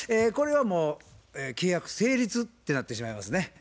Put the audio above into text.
これはもう契約成立ってなってしまいますね。